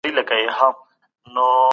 نړیواله ټولنه هڅه کوي.